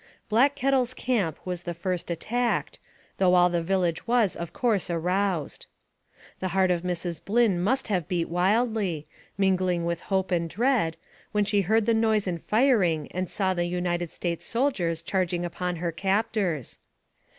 Black Kettle's camp was the first attacked, though all the village was, of course, aroused. The heart of Mrs. Blynn must have beat wildly, mingling with hope and dread, when she heard the noise and firing, and saw the United States soldiers charging upon her captors.